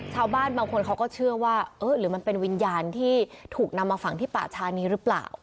ชาวบ้านบางคนเขาก็เชื่อว่าเออหรือมันเป็นวิญญาณที่ถูกนำมาฝังที่ป่าชานี้หรือเปล่า